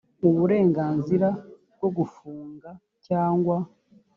uburenganzira bwo gufunga cyangwa